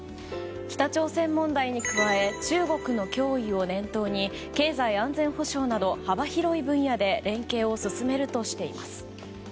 北朝鮮問題に加え中国の脅威を念頭に経済安全保障など幅広い分野で連携を進めるとしています。